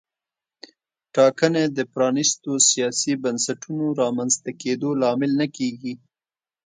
ټاکنې د پرانیستو سیاسي بنسټونو رامنځته کېدو لامل نه کېږي.